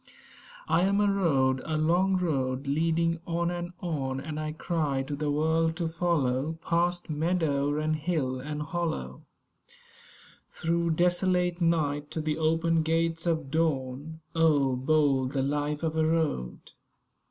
I am a Road; a long road, leading on and on; And I cry to the world to follow, Past meadow and hill and hollow, Through desolate night, to the open gates of dawn. Oh, bold the life of a Road!